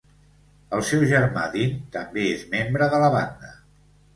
El seu germà Dean també és membre de la banda.